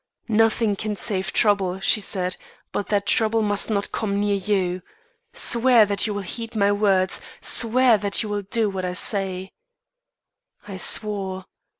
'Nothing can save trouble,' she said, 'but that trouble must not come near you. Swear that you will heed my words swear that you will do what I say,' "I swore.